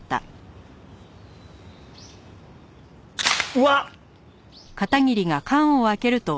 うわっ！